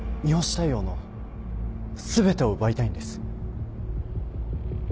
大陽の全てを奪いたいんです。